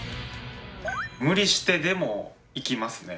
無理してでも行きますね。